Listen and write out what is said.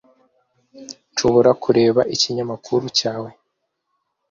Nshobora kureba ikinyamakuru cyawe?